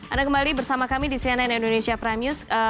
anda kembali bersama kami di cnn indonesia prime news